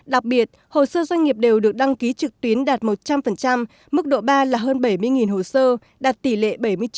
đặc biệt hồ sơ doanh nghiệp đều được đăng ký trực tuyến đạt một trăm linh mức độ ba là hơn bảy mươi hồ sơ đạt tỷ lệ bảy mươi chín